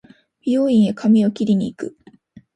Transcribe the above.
美容院へ髪を切りに行く